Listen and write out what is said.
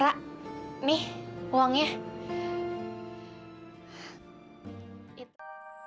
ra nih uangnya